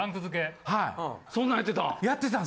そんなんやってたん！？